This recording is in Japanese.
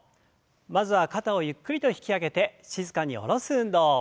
まずは肩をゆっくりと引き上げて静かに下ろす運動。